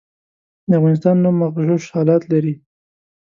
د افغانستان نوم مغشوش حالت لري.